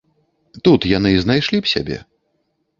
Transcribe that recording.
Тут яны знайшлі б сябе?